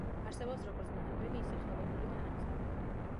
არსებობს როგორც ბუნებრივი, ისე ხელოვნური თანამგზავრი.